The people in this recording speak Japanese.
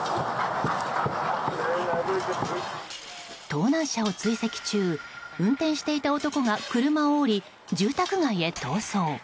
盗難車を追跡中運転していた男が車を降り住宅街へ逃走。